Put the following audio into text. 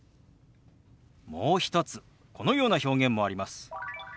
もう一つこのような表現もあります。